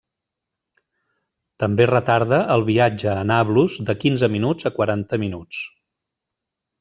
També retarda el viatge a Nablus de quinze minuts a quaranta minuts.